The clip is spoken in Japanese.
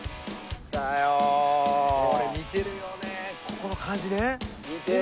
ここの感じね。